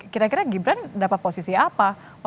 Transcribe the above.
kira kira gibran dapat posisi apa